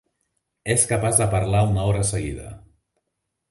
És capaç de parlar una hora seguida.